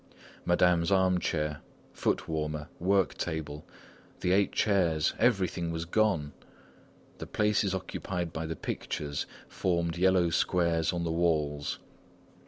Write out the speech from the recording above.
Madame's armchair, foot warmer, work table, the eight chairs, everything was gone! The places occupied by the pictures formed yellow squares on the walls.